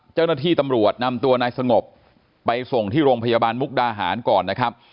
เจ้าหน้าที่ตำรวจนำตัวนายสงบไปส่งที่โรงพยาบาลมุกดาหารก่อนนะครับ